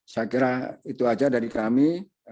saya kira itu aja dari kami